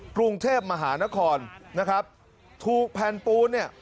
กรุงเทพมหานครนะครับถูกแผ่นปูนเนี่ย